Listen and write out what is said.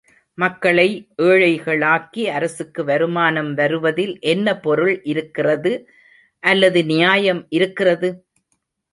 மக்களை ஏழைகளாக்கி அரசுக்கு வருமானம் வருவதில் என்ன பொருள் இருக்கிறது, அல்லது நியாயம் இருக்கிறது?